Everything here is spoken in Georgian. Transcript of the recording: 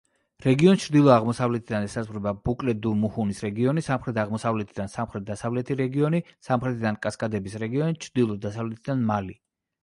რეგიონს ჩრდილო-აღმოსავლეთიდან ესაზღვრება ბუკლე-დუ-მუჰუნის რეგიონი, სამხრეთ-აღმოსავლეთიდან სამხრეთ-დასავლეთი რეგიონი, სამხრეთიდან კასკადების რეგიონი, ჩრდილო-დასავლეთიდან მალი.